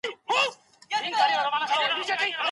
د پوهنې بهیر باید په ټول هېواد کې یو ډول وي.